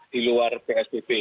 di luar psbb